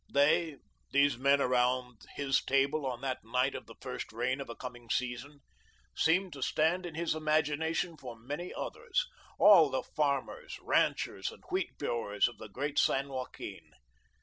They these men around his table on that night of the first rain of a coming season seemed to stand in his imagination for many others all the farmers, ranchers, and wheat growers of the great San Joaquin.